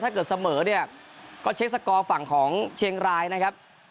ถ้าเกิดเสมอเนี่ยก็เช็คสกอร์ฝั่งของเชียงรายนะครับ